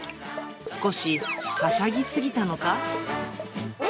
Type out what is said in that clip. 少しはしゃぎ過ぎたのか。